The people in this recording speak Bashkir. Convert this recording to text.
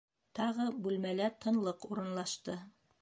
Тағы бүлмәлә тынлыҡ урынлашты.